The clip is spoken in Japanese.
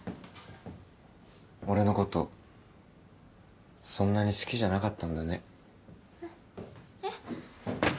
俺のことそんなに好きじゃなかったんだねえっ？